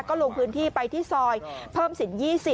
ก็ลงพื้นที่ไปที่ซอยเพิ่มสิน๒๐